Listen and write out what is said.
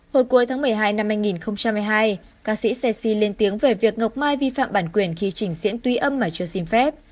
hồi cuối tháng một mươi hai năm hai nghìn một mươi hai ca sĩ xe xi lên tiếng về việc ngọc mai vi phạm bản quyền khi chỉnh diễn tuy âm mà chưa xin phép